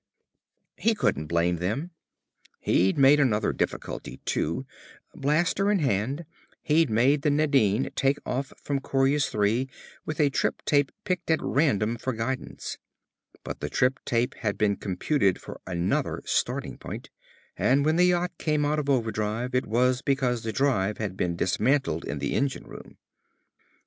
He couldn't blame them. He'd made another difficulty, too. Blaster in hand, he'd made the Nadine take off from Coryus III with a trip tape picked at random for guidance. But the trip tape had been computed for another starting point, and when the yacht came out of overdrive it was because the drive had been dismantled in the engine room.